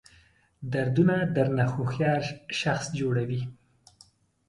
دردونه درنه هوښیار شخص جوړوي.